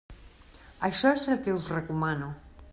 Això és el que us recomano.